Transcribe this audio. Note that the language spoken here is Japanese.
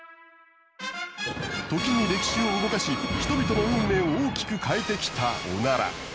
時に歴史を動かし人々の運命を大きく変えてきたオナラ。